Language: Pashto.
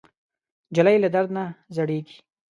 نجلۍ له درد نه زړېږي.